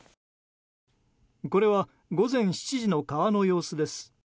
これは午前７時の川の様子です。